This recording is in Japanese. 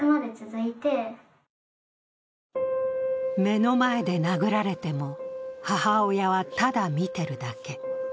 目の前で殴られても母親はただ見てるだけ。